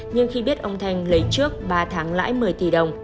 nhưng khi biết ông thanh lấy trước ba tháng lãi một mươi tỷ đồng